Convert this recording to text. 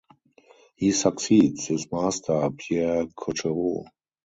He succeeds his master Pierre Cochereau.